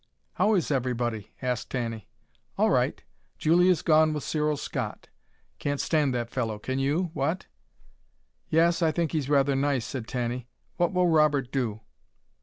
"How is everybody?" asked Tanny. "All right. Julia's gone with Cyril Scott. Can't stand that fellow, can you? What?" "Yes, I think he's rather nice," said Tanny. "What will Robert do?"